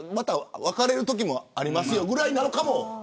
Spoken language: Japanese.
別れるときもありますよぐらいなのかも。